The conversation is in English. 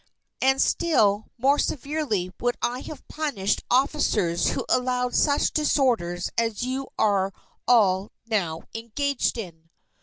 And still more severely would I have punished officers who allowed such disorders as you are all now engaged in!"